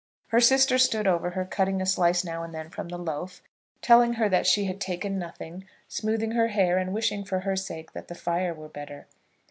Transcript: Her sister stood over her, cutting a slice now and then from the loaf, telling her that she had taken nothing, smoothing her hair, and wishing for her sake that the fire were better.